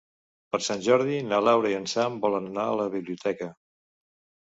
Per Sant Jordi na Laura i en Sam volen anar a la biblioteca.